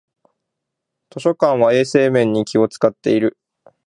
図書館は衛生面に気をつかっている